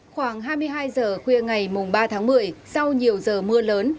khoảng hai mươi hai giờ khuya ngày ba tháng một mươi sau nhiều giờ mưa lớn